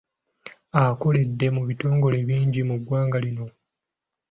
Akoledde mu bitongole bingi mu ggwanga lino.